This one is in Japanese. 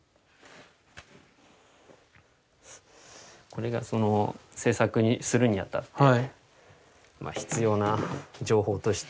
これがその制作するにあたって必要な情報として。